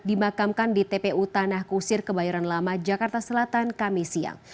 dimakamkan di tpu tanah kusir kebayoran lama jakarta selatan kami siang